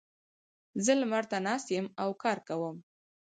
زه لمر ته ناست یم او کار کوم.